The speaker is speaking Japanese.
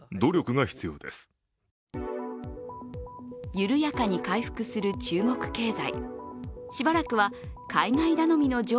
緩やかに回復する中国経済。